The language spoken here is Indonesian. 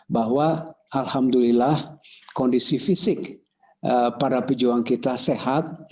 bahwa alhamdulillah kondisi fisik para pejuang kita sehat